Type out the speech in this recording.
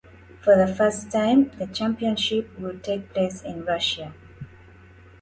For the first time the championship will take place in Russia.